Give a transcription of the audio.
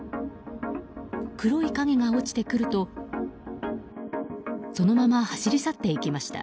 黒い影が落ちてくるとそのまま走り去っていきました。